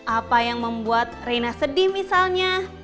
apa yang membuat rina sedih misalnya